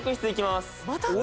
また？